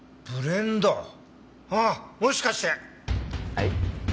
はい？